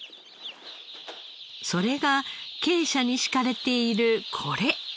それが鶏舎に敷かれているこれ。